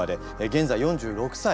現在４６歳。